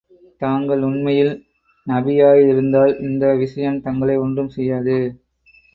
தாங்கள் உண்மையில் நபியாய் இருந்தால், இந்த விஷம் தங்களை ஒன்றும் செய்யாது.